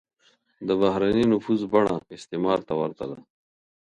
د بهرنی نفوذ بڼه استعمار ته ورته ده.